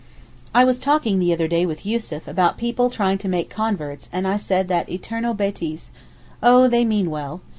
I was talking the other day with Yussuf about people trying to make converts and I said that eternal bêtise, 'Oh they mean well.